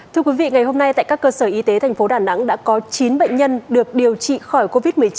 thưa quý vị ngày hôm nay tại các cơ sở y tế thành phố đà nẵng đã có chín bệnh nhân được điều trị khỏi covid một mươi chín